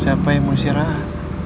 siapa yang mau istirahat